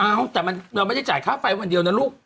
เอ้าแต่เราไม่ได้จ่ายค่าไฟวันเดียวนะลูก